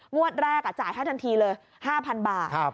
งวดแรกจ่ายให้ทันทีเลย๕๐๐บาท